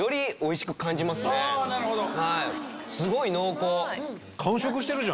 すごい濃厚！